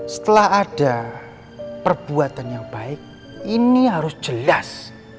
setelah ada perbuatan yang baik ini harus jelas